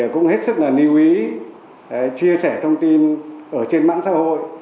cũng hết sức lưu ý chia sẻ thông tin trên mạng xã hội